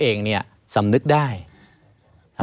ไม่มีครับไม่มีครับ